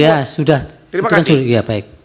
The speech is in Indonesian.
ya sudah itu kan sudah baik